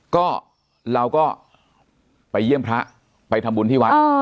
ก็เราก็ไปเยี่ยมพระไปทำบุญที่วัด